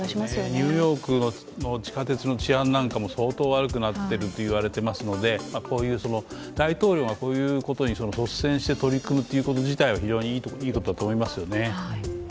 ニューヨークの地下鉄の治安なんかも相当悪くなっているといわれていますので大統領がこういうことに率先して取り組むということ自体は非常にいいことだと思いますよね。